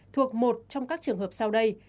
thuộc một trong các trường hợp sau đây